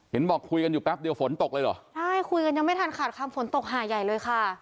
บอกคุยกันอยู่แป๊บเดียวฝนตกเลยเหรอใช่คุยกันยังไม่ทันขาดคำฝนตกหาใหญ่เลยค่ะ